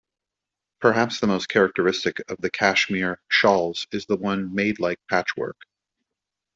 Perhaps the most characteristic of the Kashmir shawls is the one made like patchwork.